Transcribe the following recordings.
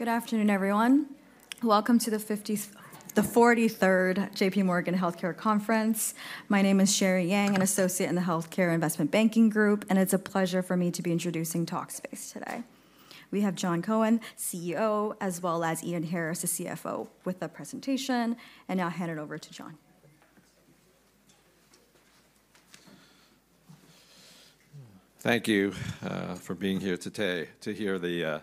Good afternoon, everyone. Welcome to the 43rd J.P. Morgan Healthcare Conference. My name is Sherry Yang, an associate in the Healthcare Investment Banking Group, and it's a pleasure for me to be introducing Talkspace today. We have Jon Cohen, CEO, as well as Ian Harris, the CFO, with a presentation, and now I'll hand it over to Jon. Thank you for being here today to hear the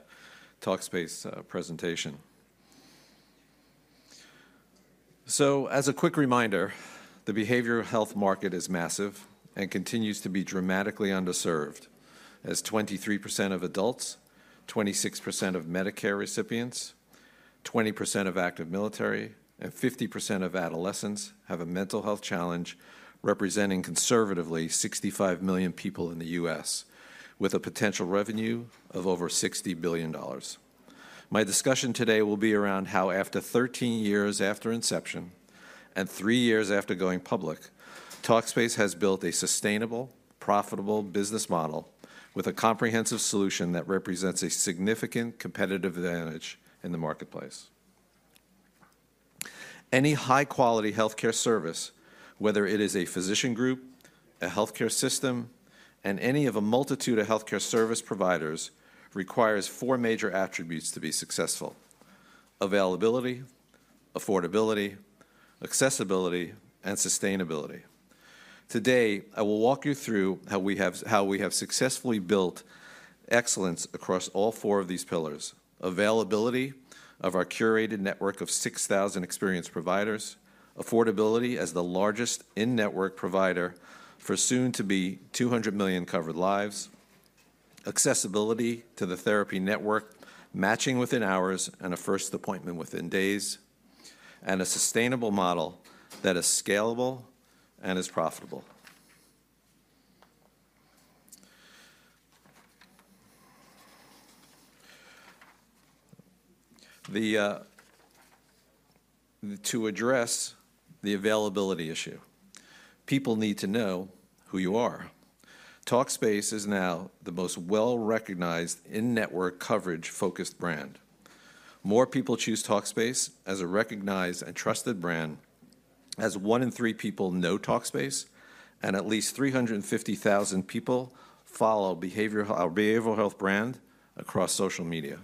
Talkspace presentation. So, as a quick reminder, the behavioral health market is massive and continues to be dramatically underserved, as 23% of adults, 26% of Medicare recipients, 20% of active military, and 50% of adolescents have a mental health challenge, representing conservatively 65 million people in the U.S., with a potential revenue of over $60 billion. My discussion today will be around how, after 13 years after inception and three years after going public, Talkspace has built a sustainable, profitable business model with a comprehensive solution that represents a significant competitive advantage in the marketplace. Any high-quality healthcare service, whether it is a physician group, a healthcare system, and any of a multitude of healthcare service providers, requires four major attributes to be successful: availability, affordability, accessibility, and sustainability. Today, I will walk you through how we have successfully built excellence across all four of these pillars: availability of our curated network of 6,000 experienced providers, affordability as the largest in-network provider for soon-to-be 200 million covered lives, accessibility to the therapy network, matching within hours and a first appointment within days, and a sustainable model that is scalable and is profitable. To address the availability issue, people need to know who you are. Talkspace is now the most well-recognized in-network coverage-focused brand. More people choose Talkspace as a recognized and trusted brand, as one in three people know Talkspace, and at least 350,000 people follow our behavioral health brand across social media.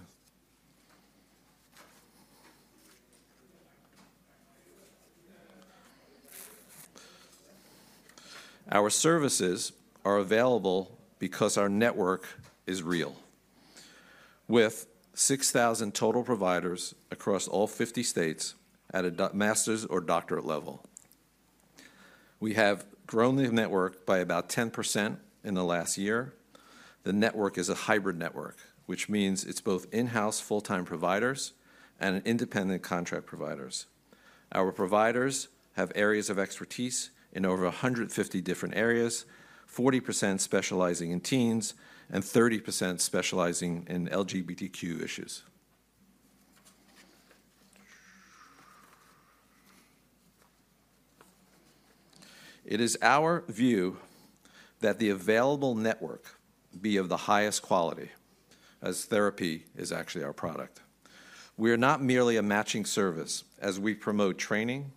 Our services are available because our network is real, with 6,000 total providers across all 50 states at a master's or doctorate level. We have grown the network by about 10% in the last year. The network is a hybrid network, which means it's both in-house full-time providers and independent contract providers. Our providers have areas of expertise in over 150 different areas, 40% specializing in teens and 30% specializing in LGBTQ issues. It is our view that the available network be of the highest quality, as therapy is actually our product. We are not merely a matching service, as we promote training,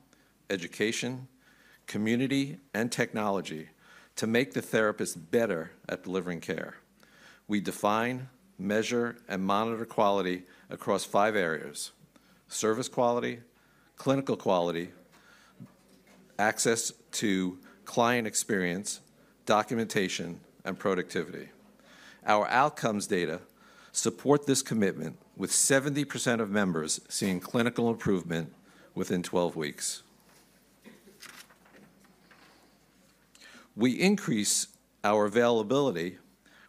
education, community, and technology to make the therapist better at delivering care. We define, measure, and monitor quality across five areas: service quality, clinical quality, access to client experience, documentation, and productivity. Our outcomes data support this commitment, with 70% of members seeing clinical improvement within 12 weeks. We increase our availability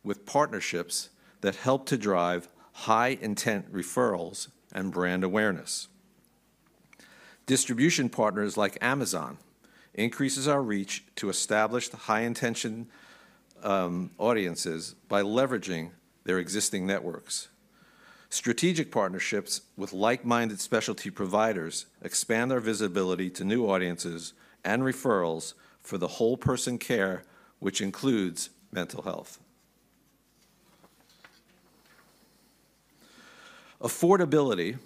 with partnerships that help to drive high-intent referrals and brand awareness. Distribution partners like Amazon increase our reach to establish high-intention audiences by leveraging their existing networks. Strategic partnerships with like-minded specialty providers expand our visibility to new audiences and referrals for the whole-person care, which includes mental health. Affordability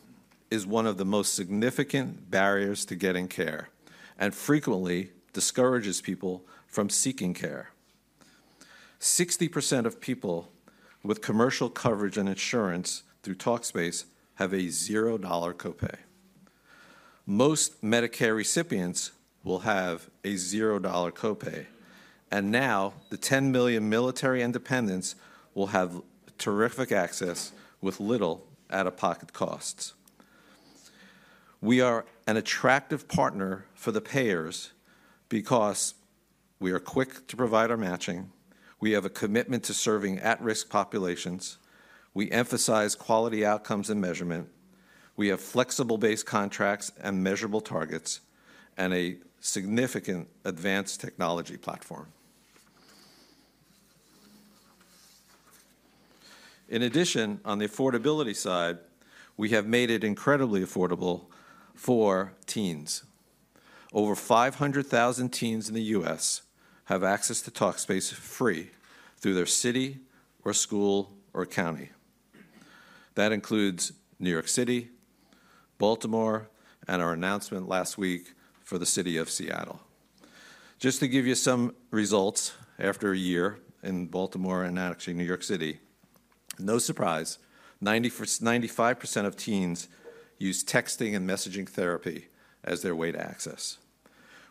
is one of the most significant barriers to getting care and frequently discourages people from seeking care. 60% of people with commercial coverage and insurance through Talkspace have a $0 copay. Most Medicare recipients will have a $0 copay, and now the 10 million military dependents will have terrific access with little out-of-pocket costs. We are an attractive partner for the payers because we are quick to provide our matching, we have a commitment to serving at-risk populations, we emphasize quality outcomes and measurement, we have flexible-based contracts and measurable targets, and a significant advanced technology platform. In addition, on the affordability side, we have made it incredibly affordable for teens. Over 500,000 teens in the U.S. Have access to Talkspace free through their city or school or county. That includes New York City, Baltimore, and our announcement last week for the city of Seattle. Just to give you some results after a year in Baltimore and actually New York City, no surprise, 95% of teens use texting and messaging therapy as their way to access.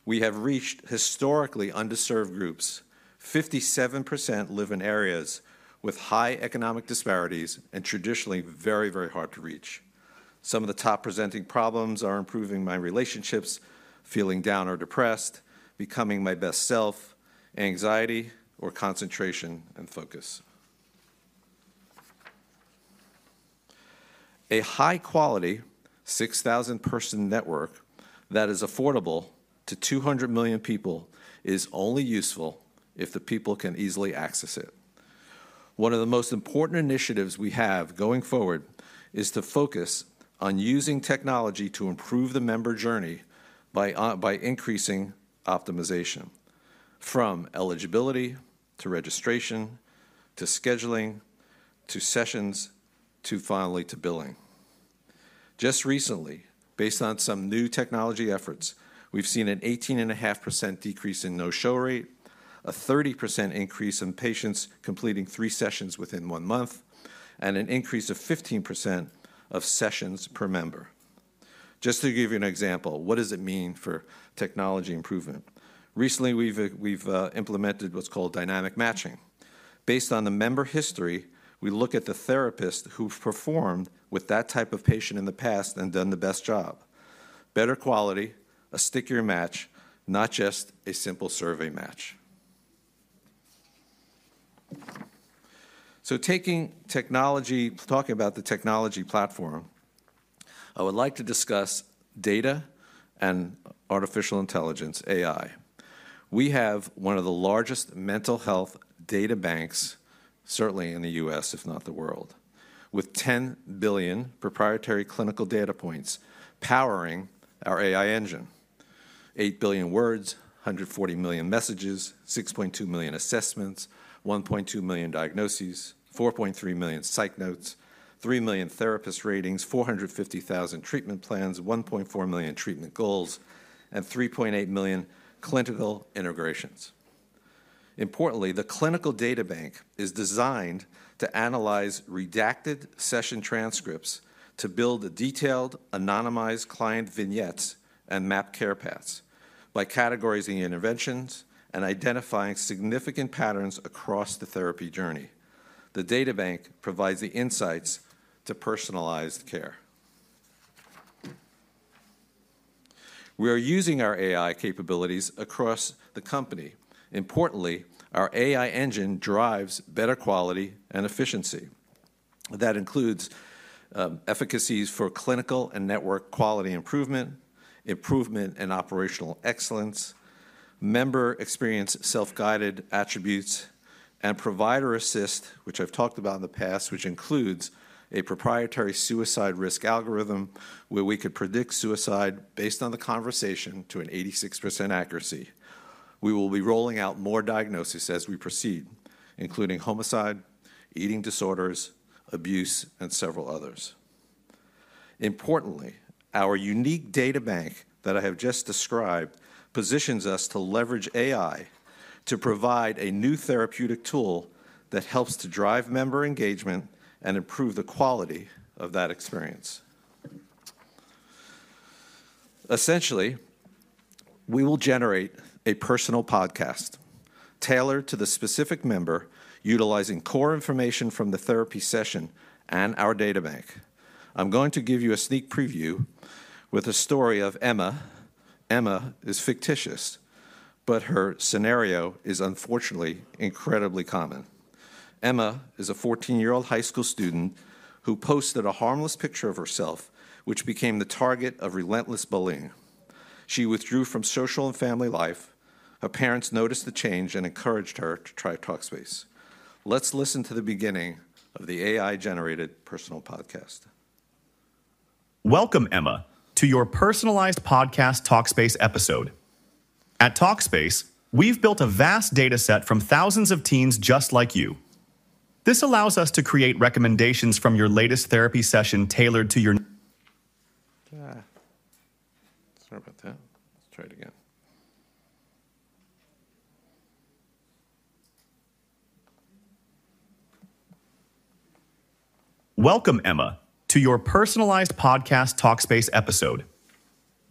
We have reached historically underserved groups. 57% live in areas with high economic disparities and traditionally very, very hard to reach. Some of the top presenting problems are improving my relationships, feeling down or depressed, becoming my best self, anxiety or concentration and focus. A high-quality, 6,000-person network that is affordable to 200 million people is only useful if the people can easily access it. One of the most important initiatives we have going forward is to focus on using technology to improve the member journey by increasing optimization from eligibility to registration to scheduling to sessions to finally to billing. Just recently, based on some new technology efforts, we've seen an 18.5% decrease in no-show rate, a 30% increase in patients completing three sessions within one month, and an increase of 15% of sessions per member. Just to give you an example, what does it mean for technology improvement? Recently, we've implemented what's called dynamic matching. Based on the member history, we look at the therapist who performed with that type of patient in the past and done the best job. Better quality, a stickier match, not just a simple survey match. So talking about the technology platform, I would like to discuss data and artificial intelligence, AI. We have one of the largest mental health data banks, certainly in the U.S., if not the world, with 10 billion proprietary clinical data points powering our AI engine: 8 billion words, 140 million messages, 6.2 million assessments, 1.2 million diagnoses, 4.3 million psych notes, 3 million therapist ratings, 450,000 treatment plans, 1.4 million treatment goals, and 3.8 million clinical integrations. Importantly, the clinical data bank is designed to analyze redacted session transcripts to build detailed, anonymized client vignettes and map care paths by categorizing interventions and identifying significant patterns across the therapy journey. The data bank provides the insights to personalized care. We are using our AI capabilities across the company. Importantly, our AI engine drives better quality and efficiency. That includes efficacies for clinical and network quality improvement, improvement in operational excellence, member experience self-guided attributes, and Provider Assist, which I've talked about in the past, which includes a proprietary suicide risk algorithm where we could predict suicide based on the conversation to an 86% accuracy. We will be rolling out more diagnoses as we proceed, including homicide, eating disorders, abuse, and several others. Importantly, our unique data bank that I have just described positions us to leverage AI to provide a new therapeutic tool that helps to drive member engagement and improve the quality of that experience. Essentially, we will generate a Personalized Podcast tailored to the specific member, utilizing core information from the therapy session and our data bank. I'm going to give you a sneak preview with a story of Emma. Emma is fictitious, but her scenario is unfortunately incredibly common. Emma is a 14-year-old high school student who posted a harmless picture of herself, which became the target of relentless bullying. She withdrew from social and family life. Her parents noticed the change and encouraged her to try Talkspace. Let's listen to the beginning of the AI-generated personal podcast. Welcome, Emma, to your Personalized Podcast Talkspace episode. At Talkspace, we've built a vast data set from thousands of teens just like you. This allows us to create recommendations from your latest therapy session tailored to your. Sorry about that. Let's try it again. Welcome, Emma, to your personalized podcast Talkspace episode.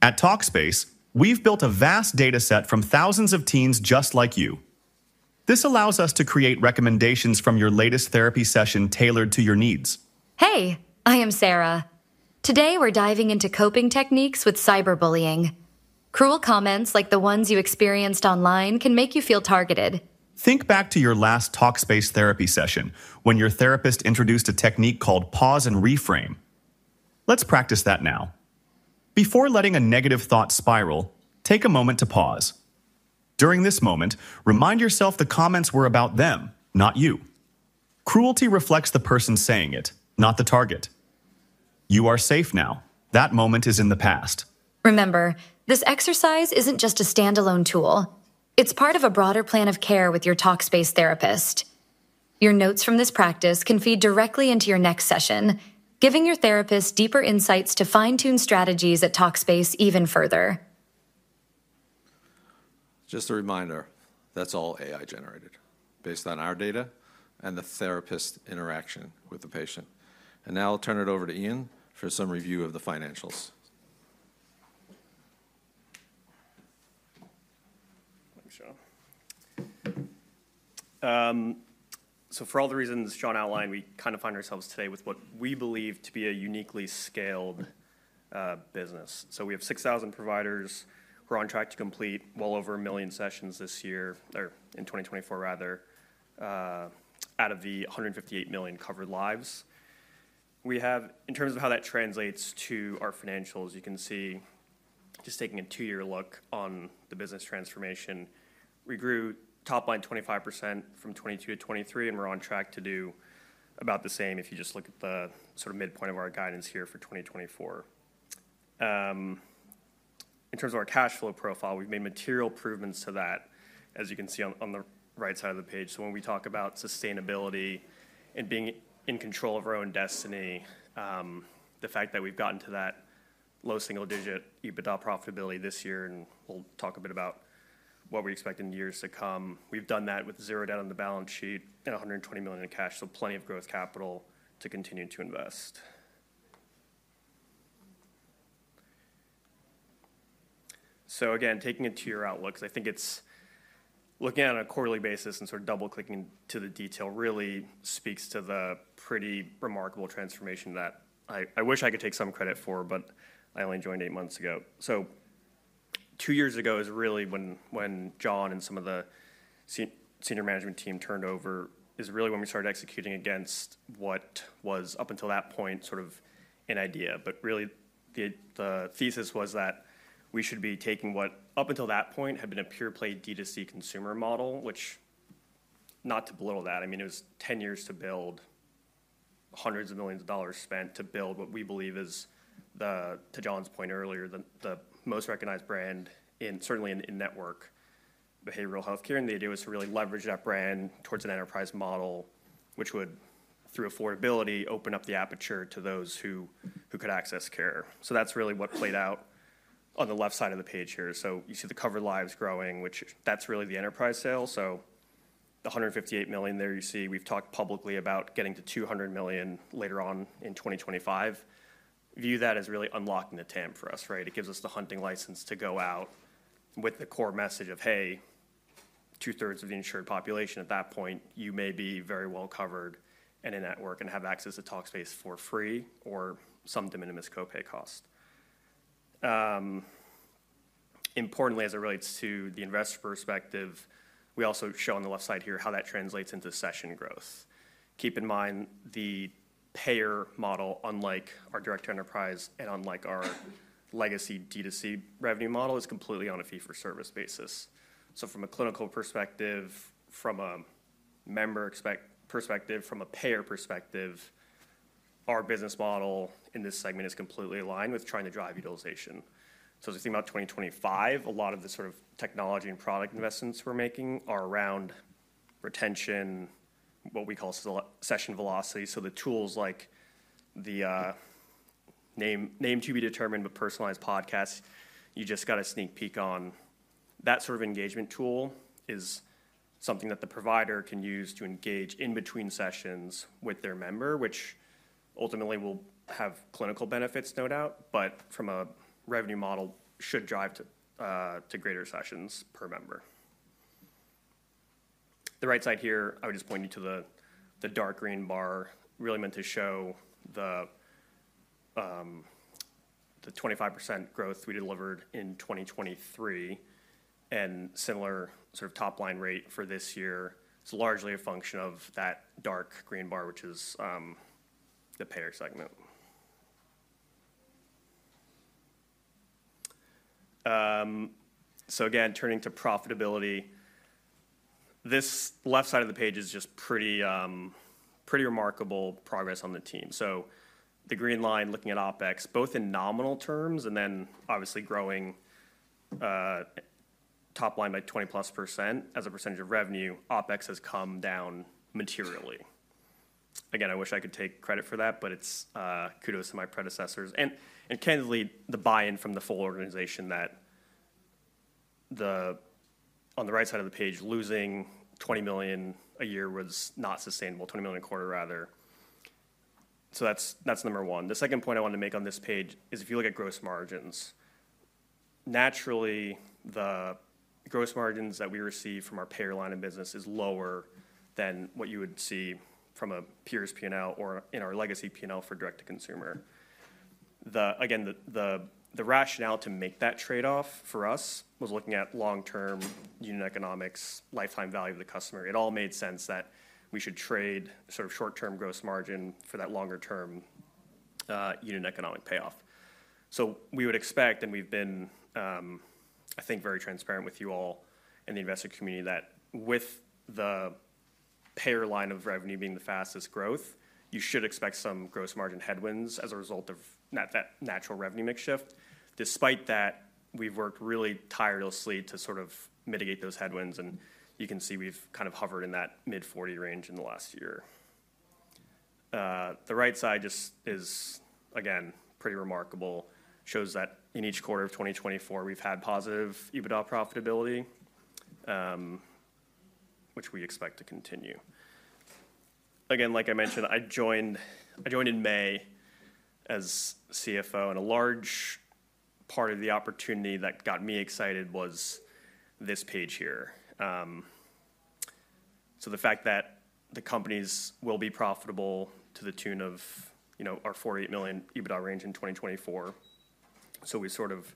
At Talkspace, we've built a vast data set from thousands of teens just like you. This allows us to create recommendations from your latest therapy session tailored to your needs. Hey, I am Sarah. Today, we're diving into coping techniques with cyberbullying. Cruel comments, like the ones you experienced online, can make you feel targeted. Think back to your last Talkspace therapy session when your therapist introduced a technique called Pause and Reframe. Let's practice that now. Before letting a negative thought spiral, take a moment to pause. During this moment, remind yourself the comments were about them, not you. Cruelty reflects the person saying it, not the target. You are safe now. That moment is in the past. Remember, this exercise isn't just a standalone tool. It's part of a broader plan of care with your Talkspace therapist. Your notes from this practice can feed directly into your next session, giving your therapist deeper insights to fine-tune strategies at Talkspace even further. Just a reminder, that's all AI-generated based on our data and the therapist's interaction with the patient. And now I'll turn it over to Ian for some review of the financials. Thanks, Jon. So for all the reasons Jon outlined, we kind of find ourselves today with what we believe to be a uniquely scaled business. So we have 6,000 providers. We're on track to complete well over a million sessions this year, or in 2024, rather, out of the 158 million covered lives. In terms of how that translates to our financials, you can see just taking a two-year look on the business transformation, we grew top line 25% from 2022 to 2023, and we're on track to do about the same if you just look at the sort of midpoint of our guidance here for 2024. In terms of our cash flow profile, we've made material improvements to that, as you can see on the right side of the page. So when we talk about sustainability and being in control of our own destiny, the fact that we've gotten to that low single-digit EBITDA profitability this year, and we'll talk a bit about what we expect in years to come, we've done that with zero debt on the balance sheet and $120 million in cash, so plenty of growth capital to continue to invest. So again, taking a two-year outlook, I think it's looking at on a quarterly basis and sort of double-clicking to the detail really speaks to the pretty remarkable transformation that I wish I could take some credit for, but I only joined eight months ago. So two years ago is really when Jon and some of the senior management team turned over, is really when we started executing against what was up until that point sort of an idea. But really, the thesis was that we should be taking what up until that point had been a pure-play D2C consumer model, which not to belittle that, I mean, it was 10 years to build, hundreds of millions of dollars spent to build what we believe is, to Jon's point earlier, the most recognized brand in, certainly, in-network behavioral healthcare. And the idea was to really leverage that brand towards an enterprise model, which would, through affordability, open up the aperture to those who could access care. So that's really what played out on the left side of the page here. So you see the covered lives growing, which that's really the enterprise sale. So the 158 million there you see, we've talked publicly about getting to 200 million later on in 2025. View that as really unlocking the TAM for us, right? It gives us the hunting license to go out with the core message of, "Hey, two-thirds of the insured population at that point, you may be very well covered in a network and have access to Talkspace for free or some de minimis copay cost." Importantly, as it relates to the investor perspective, we also show on the left side here how that translates into session growth. Keep in mind the payer model, unlike our direct-to-enterprise and unlike our legacy D2C revenue model, is completely on a fee-for-service basis. So from a clinical perspective, from a member perspective, from a payer perspective, our business model in this segment is completely aligned with trying to drive utilization. So as we think about 2025, a lot of the sort of technology and product investments we're making are around retention, what we call session velocity. So, the tools like the name to be determined, but Personalized Podcast, you just got a sneak peek on. That sort of engagement tool is something that the provider can use to engage in between sessions with their member, which ultimately will have clinical benefits, no doubt, but from a revenue model should drive to greater sessions per member. The right side here, I would just point you to the dark green bar, really meant to show the 25% growth we delivered in 2023 and similar sort of top line rate for this year. It's largely a function of that dark green bar, which is the payer segment. So again, turning to profitability, this left side of the page is just pretty remarkable progress on the team. So the green line looking at OpEx, both in nominal terms and then obviously growing top line by 20+% as a percentage of revenue, OpEx has come down materially. Again, I wish I could take credit for that, but it's kudos to my predecessors. And candidly, the buy-in from the full organization that on the right side of the page, losing $20 million a year was not sustainable, $20 million a quarter rather. So that's number one. The second point I want to make on this page is if you look at gross margins, naturally the gross margins that we receive from our payer line of business is lower than what you would see from a peer's P&L or in our legacy P&L for direct-to-consumer. Again, the rationale to make that trade-off for us was looking at long-term unit economics, lifetime value of the customer. It all made sense that we should trade sort of short-term gross margin for that longer-term unit economic payoff. So we would expect, and we've been, I think, very transparent with you all in the investor community that with the payer line of revenue being the fastest growth, you should expect some gross margin headwinds as a result of that natural revenue mix shift. Despite that, we've worked really tirelessly to sort of mitigate those headwinds, and you can see we've kind of hovered in that mid-40 range in the last year. The right side just is, again, pretty remarkable, shows that in each quarter of 2024, we've had positive EBITDA profitability, which we expect to continue. Again, like I mentioned, I joined in May as CFO, and a large part of the opportunity that got me excited was this page here. So the fact that the companies will be profitable to the tune of our $48 million EBITDA range in 2024. So we sort of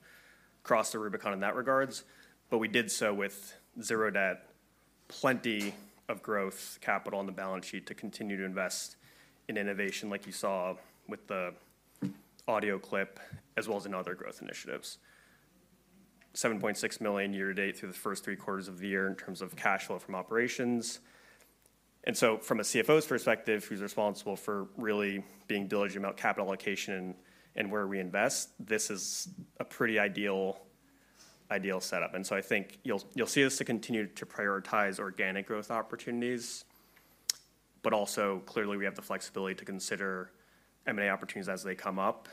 crossed the Rubicon in that regard, but we did so with zero debt, plenty of growth capital on the balance sheet to continue to invest in innovation like you saw with the audio clip, as well as in other growth initiatives. $7.6 million year to date through the first three quarters of the year in terms of cash flow from operations. And so from a CFO's perspective, who's responsible for really being diligent about capital allocation and where we invest, this is a pretty ideal setup. And so I think you'll see us to continue to prioritize organic growth opportunities, but also clearly we have the flexibility to consider M&A opportunities as they come up,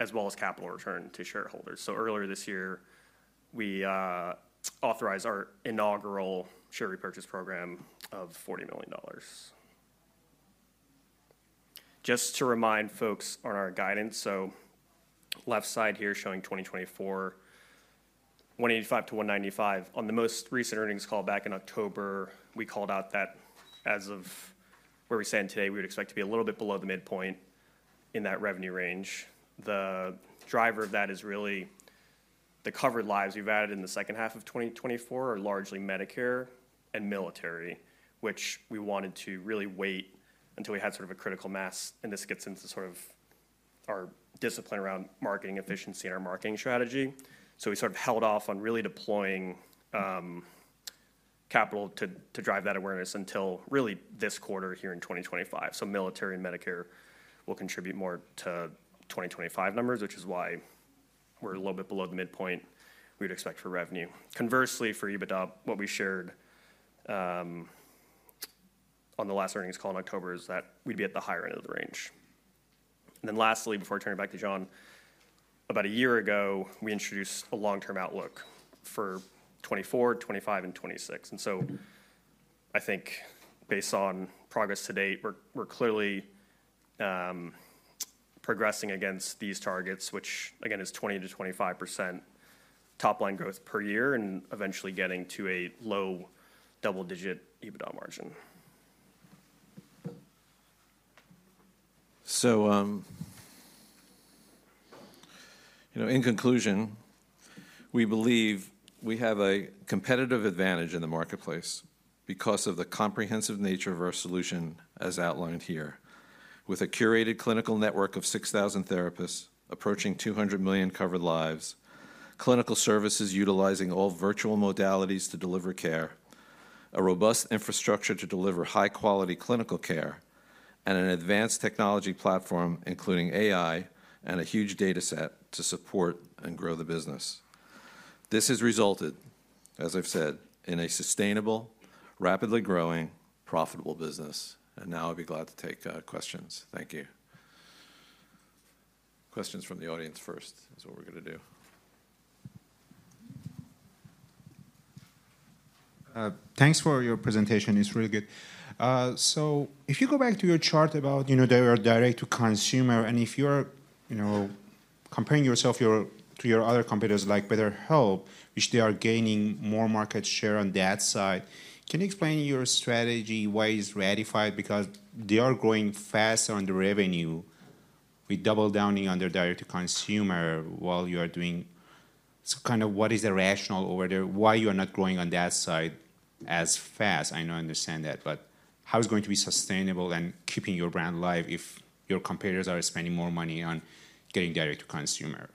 as well as capital return to shareholders. So earlier this year, we authorized our inaugural share repurchase program of $40 million. Just to remind folks on our guidance, so left side here showing 2024, 185-195. On the most recent earnings call back in October, we called out that as of where we stand today, we would expect to be a little bit below the midpoint in that revenue range. The driver of that is really the covered lives we've added in the second half of 2024 are largely Medicare and military, which we wanted to really wait until we had sort of a critical mass. And this gets into sort of our discipline around marketing efficiency and our marketing strategy. So we sort of held off on really deploying capital to drive that awareness until really this quarter here in 2025. Military and Medicare will contribute more to 2025 numbers, which is why we're a little bit below the midpoint we would expect for revenue. Conversely, for EBITDA, what we shared on the last earnings call in October is that we'd be at the higher end of the range. And then lastly, before turning back to Jon, about a year ago, we introduced a long-term outlook for 2024, 2025, and 2026. And so I think based on progress to date, we're clearly progressing against these targets, which again is 20%-25% top line growth per year and eventually getting to a low double-digit EBITDA margin. So in conclusion, we believe we have a competitive advantage in the marketplace because of the comprehensive nature of our solution as outlined here, with a curated clinical network of 6,000 therapists approaching 200 million covered lives, clinical services utilizing all virtual modalities to deliver care, a robust infrastructure to deliver high-quality clinical care, and an advanced technology platform, including AI and a huge data set to support and grow the business. This has resulted, as I've said, in a sustainable, rapidly growing, profitable business. And now I'd be glad to take questions. Thank you. Questions from the audience first is what we're going to do. Thanks for your presentation. It's really good. So if you go back to your chart about their direct-to-consumer, and if you're comparing yourself to your other competitors like BetterHelp, which they are gaining more market share on that side, can you explain your strategy, why it's rationalized, because they are growing fast on the revenue with doubling down on their direct-to-consumer while you are doing kind of what is the rationale over there, why you are not growing on that side as fast? I know I understand that, but how is it going to be sustainable and keeping your brand alive if your competitors are spending more money on getting direct-to-consumer?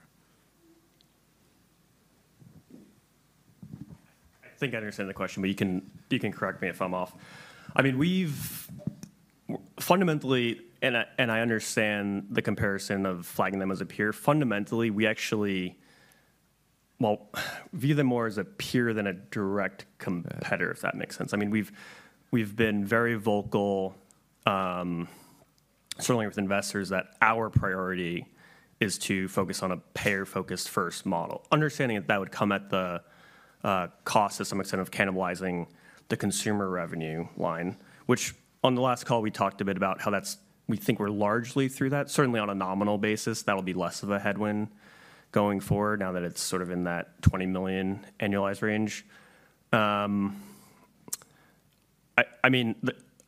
I think I understand the question, but you can correct me if I'm off. I mean, fundamentally, and I understand the comparison of flagging them as a peer, fundamentally, we actually well, view them more as a peer than a direct competitor, if that makes sense. I mean, we've been very vocal, certainly with investors, that our priority is to focus on a payer-focused first model, understanding that that would come at the cost to some extent of cannibalizing the consumer revenue line, which on the last call we talked a bit about how that's we think we're largely through that. Certainly on a nominal basis, that'll be less of a headwind going forward now that it's sort of in that $20 million annualized range. I mean,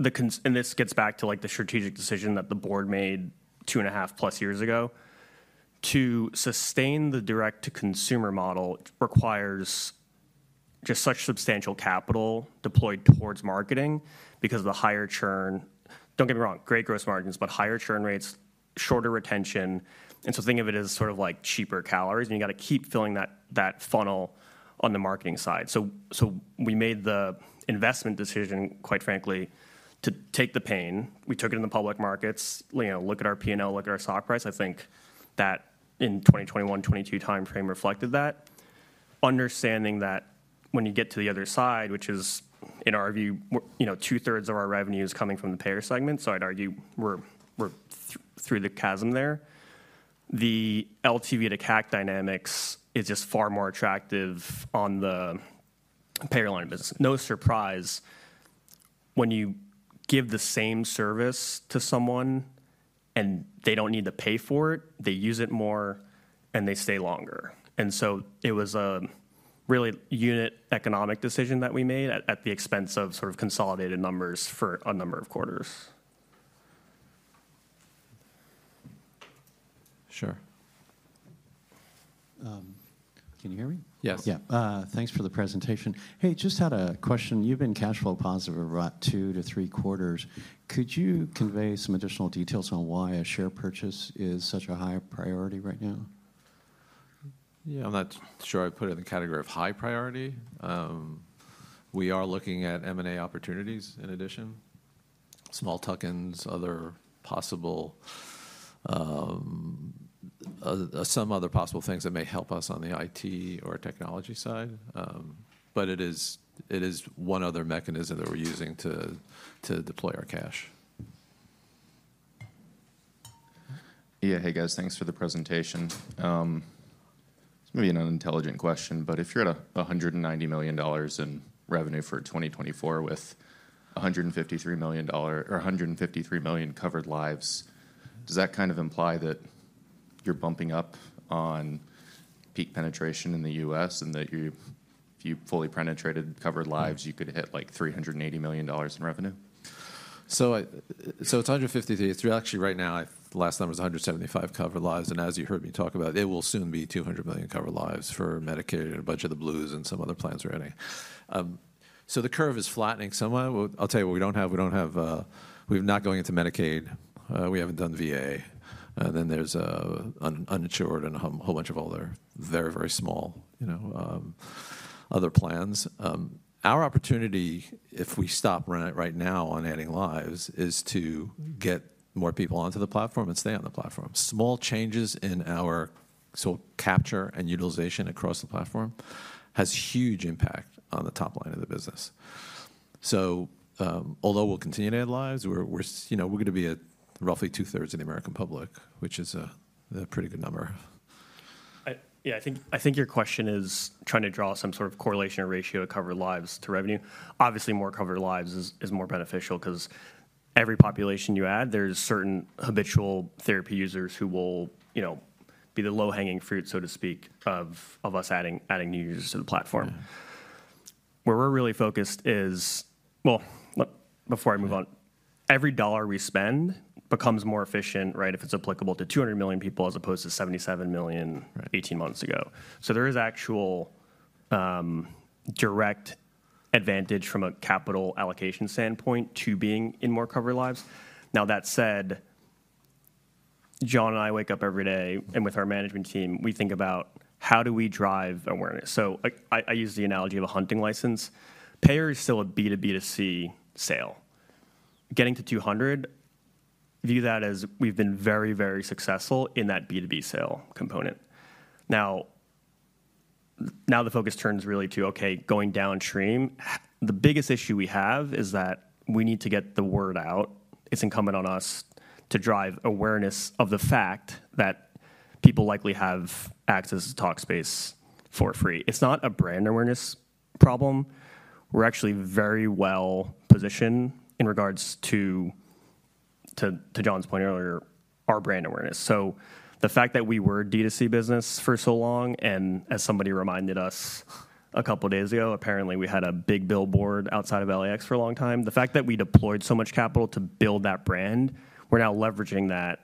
and this gets back to the strategic decision that the board made two and a half plus years ago. To sustain the direct-to-consumer model, it requires just such substantial capital deployed towards marketing because of the higher churn. Don't get me wrong, great gross margins, but higher churn rates, shorter retention. And so think of it as sort of like cheaper calories, and you got to keep filling that funnel on the marketing side. So we made the investment decision, quite frankly, to take the pain. We took it in the public markets. Look at our P&L, look at our stock price. I think that in 2021, 2022 timeframe reflected that. Understanding that when you get to the other side, which is in our view, two-thirds of our revenue is coming from the payer segment, so I'd argue we're through the chasm there. The LTV to CAC dynamics is just far more attractive on the payer line of business. No surprise when you give the same service to someone and they don't need to pay for it, they use it more and they stay longer. And so it was a really unit economics decision that we made at the expense of sort of consolidated numbers for a number of quarters. Sure. Can you hear me? Yes. Yeah. Thanks for the presentation. Hey, just had a question. You've been cash flow positive for about two to three quarters. Could you convey some additional details on why a share purchase is such a high priority right now? Yeah, I'm not sure I'd put it in the category of high priority. We are looking at M&A opportunities in addition, small tuck-ins, some other possible things that may help us on the IT or technology side. But it is one other mechanism that we're using to deploy our cash. Yeah, hey guys, thanks for the presentation. This may be an unintelligent question, but if you're at $190 million in revenue for 2024 with 153 million covered lives, does that kind of imply that you're bumping up on peak penetration in the U.S. and that if you fully penetrated covered lives, you could hit like $380 million in revenue? It's 153. Actually, right now, the last number is 175 covered lives. As you heard me talk about it, it will soon be 200 million covered lives for Medicaid and a bunch of the Blues and some other plans we're adding. The curve is flattening somewhat. I'll tell you what we don't have. We're not going into Medicaid. We haven't done VA. There's uninsured and a whole bunch of other very, very small other plans. Our opportunity, if we stop right now on adding lives, is to get more people onto the platform and stay on the platform. Small changes in our sort of capture and utilization across the platform has a huge impact on the top line of the business. Although we'll continue to add lives, we're going to be at roughly two-thirds of the American public, which is a pretty good number. Yeah, I think your question is trying to draw some sort of correlation or ratio of covered lives to revenue. Obviously, more covered lives is more beneficial because every population you add, there's certain habitual therapy users who will be the low-hanging fruit, so to speak, of us adding new users to the platform. Where we're really focused is, well, before I move on, every dollar we spend becomes more efficient, right, if it's applicable to 200 million people as opposed to 77 million 18 months ago. So there is actual direct advantage from a capital allocation standpoint to being in more covered lives. Now, that said, Jon and I wake up every day, and with our management team, we think about how do we drive awareness. So I use the analogy of a hunting license. Payer is still a B2B2C sale. Getting to 200, view that as we've been very, very successful in that B2B sale component. Now, the focus turns really to, okay, going downstream. The biggest issue we have is that we need to get the word out. It's incumbent on us to drive awareness of the fact that people likely have access to Talkspace for free. It's not a brand awareness problem. We're actually very well positioned in regards to, to Jon's point earlier, our brand awareness. So the fact that we were a D2C business for so long, and as somebody reminded us a couple of days ago, apparently we had a big billboard outside of LAX for a long time. The fact that we deployed so much capital to build that brand, we're now leveraging that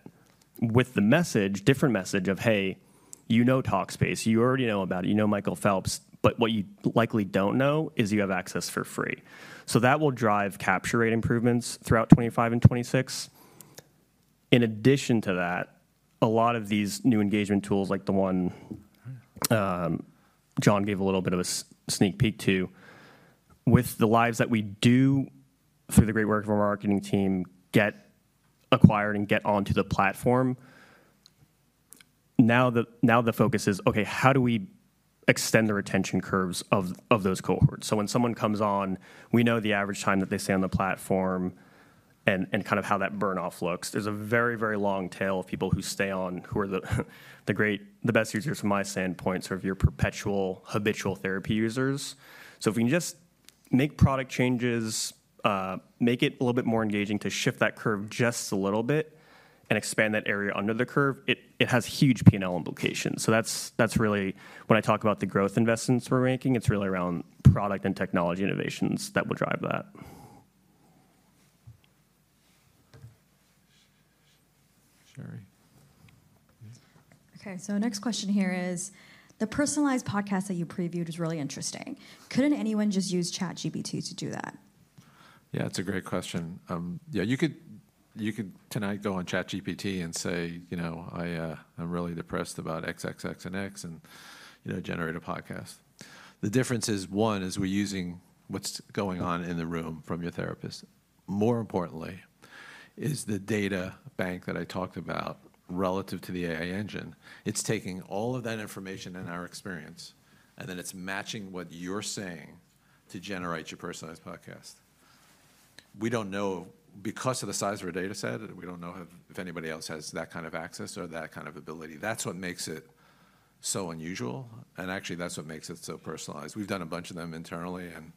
with the message, different message of, hey, you know Talkspace, you already know about it, you know Michael Phelps, but what you likely don't know is you have access for free. So that will drive capture rate improvements throughout 2025 and 2026. In addition to that, a lot of these new engagement tools, like the one Jon gave a little bit of a sneak peek to, with the lives that we do through the great work of our marketing team get acquired and get onto the platform, now the focus is, okay, how do we extend the retention curves of those cohorts? So when someone comes on, we know the average time that they stay on the platform and kind of how that burn-off looks. There's a very, very long tail of people who stay on, who are the best users from my standpoint, sort of your perpetual habitual therapy users. So if we can just make product changes, make it a little bit more engaging to shift that curve just a little bit and expand that area under the curve, it has huge P&L implications. So that's really when I talk about the growth investments we're making, it's really around product and technology innovations that will drive that. Okay, so next question here is, the Personalized Podcast that you previewed was really interesting. Couldn't anyone just use ChatGPT to do that? Yeah, it's a great question. Yeah, you could tonight go on ChatGPT and say, you know, I'm really depressed about X, X, X, and X and generate a podcast. The difference is, one, is we're using what's going on in the room from your therapist. More importantly, is the data bank that I talked about relative to the AI engine. It's taking all of that information and our experience, and then it's matching what you're saying to generate your personalized podcast. We don't know, because of the size of our data set, we don't know if anybody else has that kind of access or that kind of ability. That's what makes it so unusual, and actually, that's what makes it so personalized. We've done a bunch of them internally, and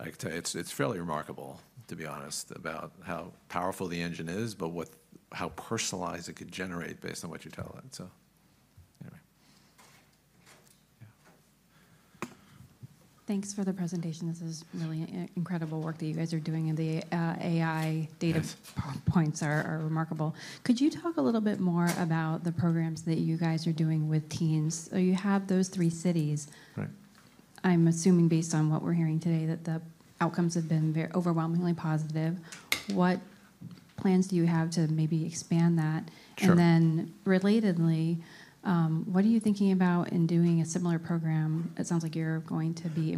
I'd say it's fairly remarkable, to be honest, about how powerful the engine is, but how personalized it could generate based on what you tell it. So anyway. Thanks for the presentation. This is really incredible work that you guys are doing, and the AI data points are remarkable. Could you talk a little bit more about the programs that you guys are doing with teens? You have those three cities. I'm assuming based on what we're hearing today that the outcomes have been overwhelmingly positive. What plans do you have to maybe expand that? And then relatedly, what are you thinking about in doing a similar program? It sounds like you're going to be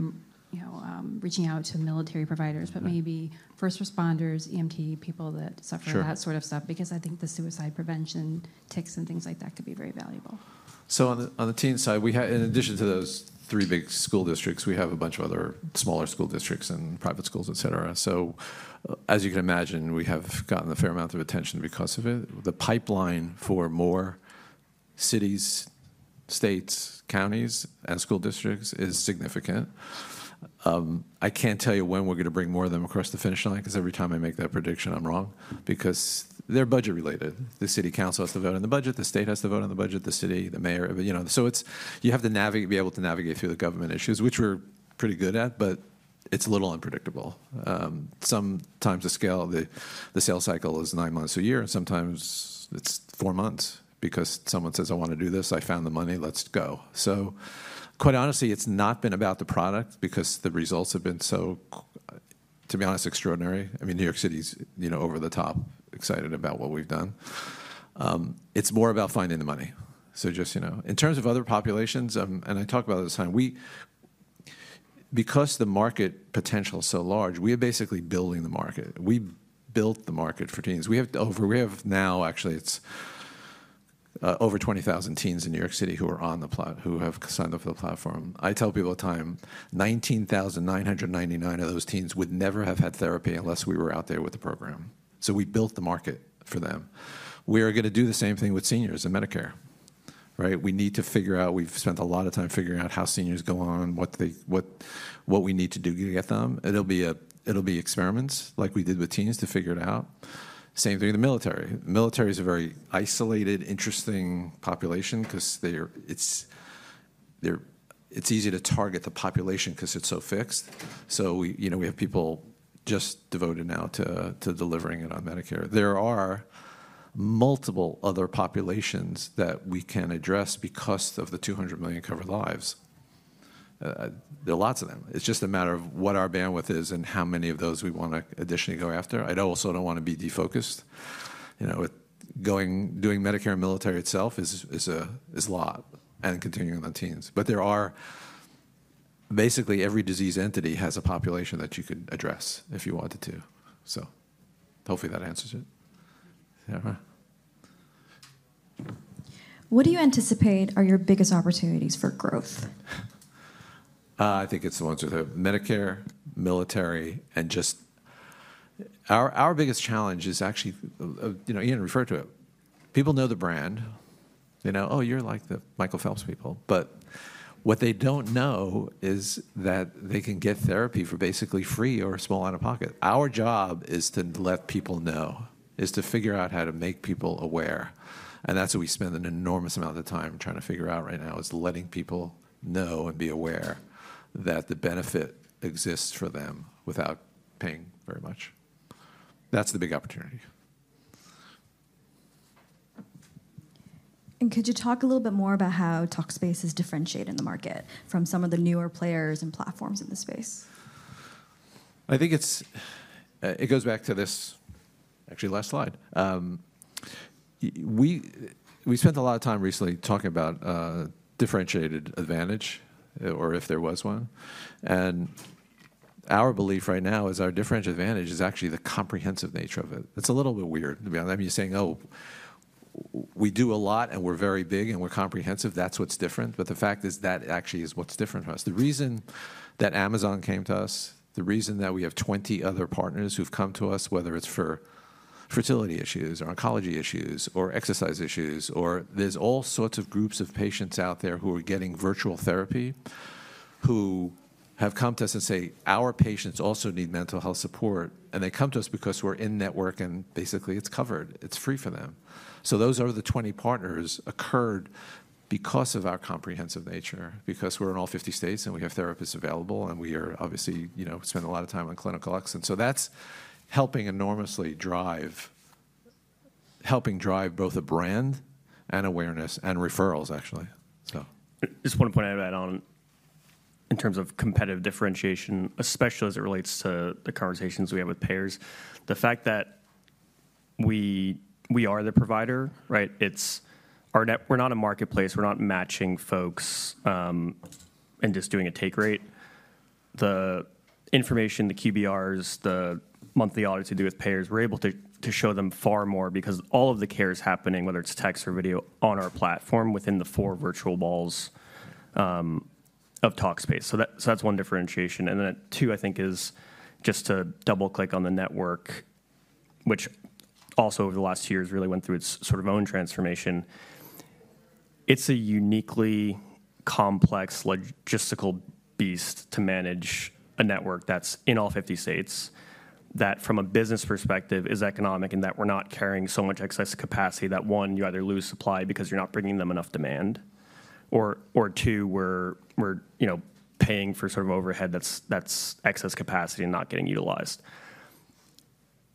reaching out to military providers, but maybe first responders, EMT, people that suffer that sort of stuff, because I think the suicide prevention kits and things like that could be very valuable. So on the teen side, in addition to those three big school districts, we have a bunch of other smaller school districts and private schools, et cetera. So as you can imagine, we have gotten a fair amount of attention because of it. The pipeline for more cities, states, counties, and school districts is significant. I can't tell you when we're going to bring more of them across the finish line, because every time I make that prediction, I'm wrong, because they're budget related. The city council has to vote on the budget, the state has to vote on the budget, the city, the mayor. So you have to be able to navigate through the government issues, which we're pretty good at, but it's a little unpredictable. Sometimes the scale, the sales cycle is nine months a year, and sometimes it's four months because someone says, I want to do this, I found the money, let's go. So quite honestly, it's not been about the product because the results have been so, to be honest, extraordinary. I mean, New York City's over the top excited about what we've done. It's more about finding the money. So just in terms of other populations, and I talk about it this time, because the market potential is so large, we are basically building the market. We built the market for teens. We have now, actually, it's over 20,000 teens in New York City who have signed up for the platform. I tell people at times, 19,999 of those teens would never have had therapy unless we were out there with the program. So we built the market for them. We are going to do the same thing with seniors and Medicare, right? We need to figure out. We've spent a lot of time figuring out how seniors go online, what we need to do to get them. It'll be experiments like we did with teens to figure it out. Same thing in the military. The military is a very isolated, interesting population because it's easy to target the population because it's so fixed. So we have people just devoted now to delivering it on Medicare. There are multiple other populations that we can address because of the 200 million covered lives. There are lots of them. It's just a matter of what our bandwidth is and how many of those we want to additionally go after. I also don't want to be defocused. Doing Medicare and military itself is a lot and continuing on teens. But there are, basically every disease entity has a population that you could address if you wanted to. So hopefully that answers it. What do you anticipate are your biggest opportunities for growth? I think it's the ones with Medicare, military, and just our biggest challenge is actually, Ian referred to it. People know the brand. They know, oh, you're like the Michael Phelps people, but what they don't know is that they can get therapy for basically free or a small out-of-pocket. Our job is to let people know, is to figure out how to make people aware, and that's what we spend an enormous amount of time trying to figure out right now, is letting people know and be aware that the benefit exists for them without paying very much. That's the big opportunity. Could you talk a little bit more about how Talkspace differentiates in the market from some of the newer players and platforms in the space? I think it goes back to this actually last slide. We spent a lot of time recently talking about differentiated advantage or if there was one. And our belief right now is our differentiated advantage is actually the comprehensive nature of it. It's a little bit weird. I mean, you're saying, oh, we do a lot and we're very big and we're comprehensive. That's what's different. But the fact is that actually is what's different for us. The reason that Amazon came to us, the reason that we have 20 other partners who've come to us, whether it's for fertility issues or oncology issues or exercise issues, or there's all sorts of groups of patients out there who are getting virtual therapy, who have come to us and say, our patients also need mental health support. And they come to us because we're in-network and basically it's covered. It's free for them, so those over the 20 partners occurred because of our comprehensive nature, because we're in all 50 states and we have therapists available and we are obviously spending a lot of time on clinical excellence, so that's helping enormously drive both a brand and awareness and referrals, actually. Just want to point out that in terms of competitive differentiation, especially as it relates to the conversations we have with payers, the fact that we are the provider, right? We're not a marketplace. We're not matching folks and just doing a take rate. The information, the QBRs, the monthly audits we do with payers, we're able to show them far more because all of the care is happening, whether it's text or video, on our platform within the four virtual walls of Talkspace. So that's one differentiation. And then two, I think, is just to double-click on the network, which also over the last two years really went through its sort of own transformation. It's a uniquely complex logistical beast to manage a network that's in all 50 states that from a business perspective is economic in that we're not carrying so much excess capacity that one, you either lose supply because you're not bringing them enough demand, or two, we're paying for sort of overhead that's excess capacity and not getting utilized.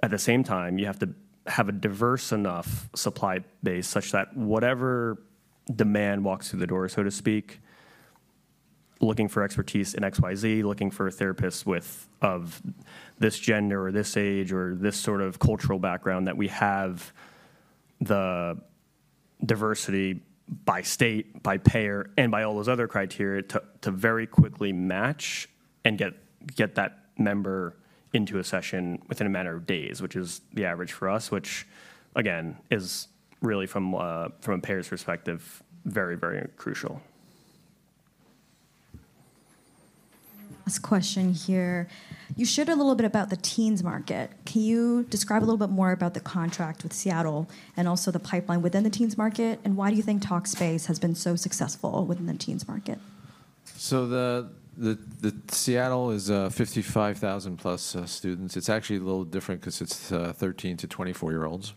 At the same time, you have to have a diverse enough supply base such that whatever demand walks through the door, so to speak, looking for expertise in XYZ, looking for therapists of this gender or this age or this sort of cultural background, that we have the diversity by state, by payer, and by all those other criteria to very quickly match and get that member into a session within a matter of days, which is the average for us, which again, is really from a payer's perspective, very, very crucial. Last question here. You shared a little bit about the teens market. Can you describe a little bit more about the contract with Seattle and also the pipeline within the teens market? And why do you think Talkspace has been so successful within the teens market? So Seattle is 55,000 plus students. It's actually a little different because it's 13 to 24-year-olds.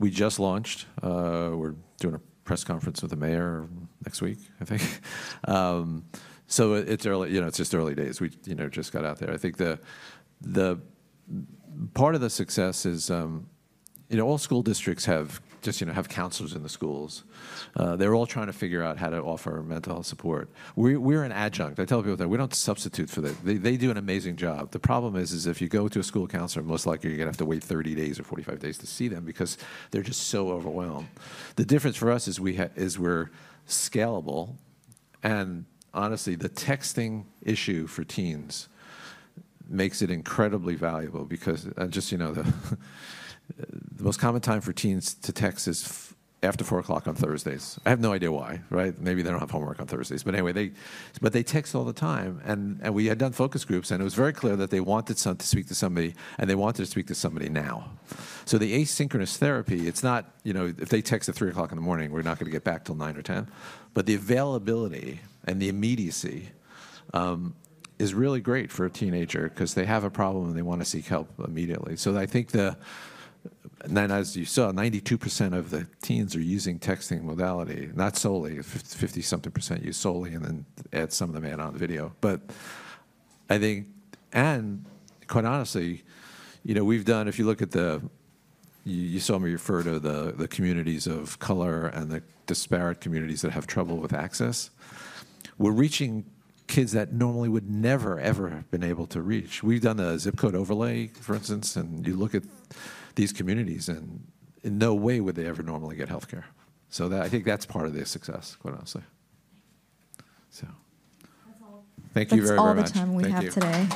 We just launched. We're doing a press conference with the mayor next week, I think. So it's early, it's just early days. We just got out there. I think the part of the success is all school districts have counselors in the schools. They're all trying to figure out how to offer mental health support. We're an adjunct. I tell people that we don't substitute for them. They do an amazing job. The problem is, if you go to a school counselor, most likely you're going to have to wait 30 days or 45 days to see them because they're just so overwhelmed. The difference for us is we're scalable. And honestly, the texting issue for teens makes it incredibly valuable because just the most common time for teens to text is after four o'clock on Thursdays. I have no idea why, right? Maybe they don't have homework on Thursdays, but anyway, but they text all the time. And we had done focus groups, and it was very clear that they wanted to speak to somebody, and they wanted to speak to somebody now. So the asynchronous therapy, it's not if they text at three o'clock in the morning, we're not going to get back till nine or ten. But the availability and the immediacy is really great for a teenager because they have a problem and they want to seek help immediately. So I think, as you saw, 92% of the teens are using texting modality, not solely. 50-something% use solely, and then add some of the live on video, but I think, and quite honestly, we've done. If you look at the, you saw me refer to the communities of color and the disparate communities that have trouble with access, we're reaching kids that normally would never, ever have been able to reach. We've done the ZIP code overlay, for instance, and you look at these communities and in no way would they ever normally get healthcare, so I think that's part of their success, quite honestly. Thank you very much. That's all the time we have today.